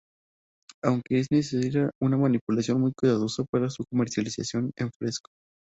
Aunque, es necesaria una manipulación muy cuidadosa para su comercialización en fresco.